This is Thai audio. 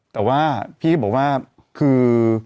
แต่ว่าพี่ก็บอกว่าคือ